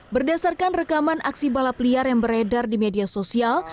berdasarkan rekaman aksi balap liar yang beredar di media sosial